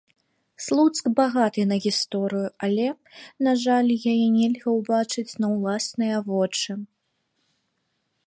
Слуцк багаты на гісторыю, але, на жаль, яе нельга ўбачыць на ўласныя вочы.